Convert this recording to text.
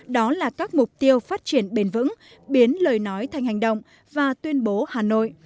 đó là các mục tiêu phát triển bền vững biến lời nói thành hành động và tuyên bố hà nội